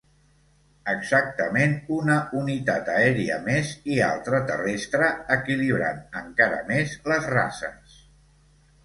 Exactament una unitat aèria més, i altra terrestre, equilibrant encara més les races.